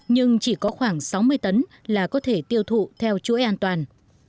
nhưng chỉ có khoảng sáu mươi tấn là có thể tiêu thụ theo chuỗi an toàn